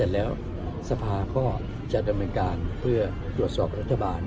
แล้วสภาก็จะดำเนินการเพื่อตรวจสอบกับรัฐบาล